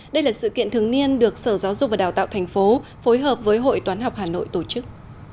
đây là sự kiện thường niên được sở giáo dục và đào tạo thành phố phối hợp với hội toán học hà nội tổ chức